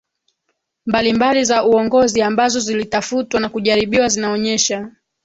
mbalimbali za uongozi ambazo zilitafutwa na kujaribiwa zinaonyesha